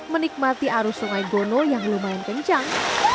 menikmati arus sungai gono yang lumayan kencang